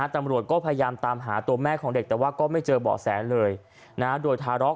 ตำรวจก็พยายามตามหาตัวแม่ของเด็กแต่ว่าก็ไม่เจอเบาะแสเลยโดยทาร็อก